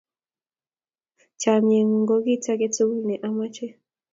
Chamyengung ko kit age tugul ne amache